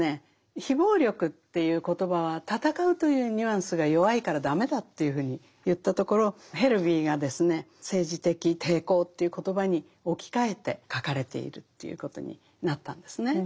非暴力という言葉は戦うというニュアンスが弱いから駄目だというふうに言ったところヘルヴィーがですね政治的抵抗という言葉に置き換えて書かれているということになったんですね。